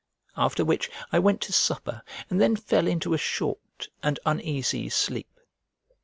After which I went to supper, and then fell into a short and uneasy sleep.